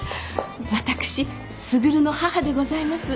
私卓の母でございます。